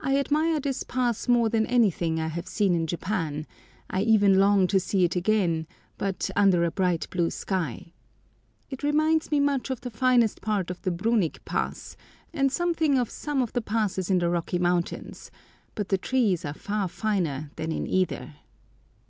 I admire this pass more than anything I have seen in Japan; I even long to see it again, but under a bright blue sky. It reminds me much of the finest part of the Brunig Pass, and something of some of the passes in the Rocky Mountains, but the trees are far finer than in either.